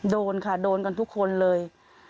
โดนค่ะโดนกันทุกคนเลย